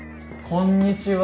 こんにちは。